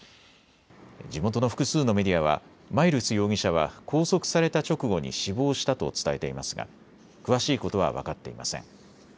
地元の複数のメディアはマイルス容疑者は拘束された直後に死亡したと伝えていますが詳しいことは分かっていません。